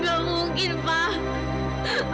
ini gak mungkin pak